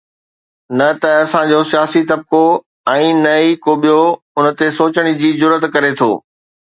نه ته اسان جو سياسي طبقو ۽ نه ئي ڪو ٻيو ان تي سوچڻ جي جرئت ڪري ٿو.